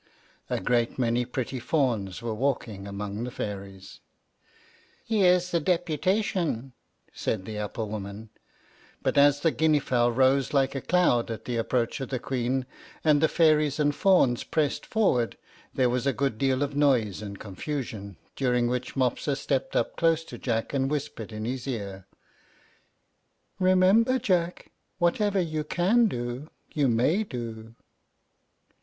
A great many pretty fawns were walking among the fairies. "Here's the deputation," said the apple woman; but as the Guinea fowl rose like a cloud at the approach of the Queen, and the fairies and fawns pressed forward, there was a good deal of noise and confusion, during which Mopsa stepped up close to Jack, and whispered in his ear, "Remember, Jack, whatever you can do you may do."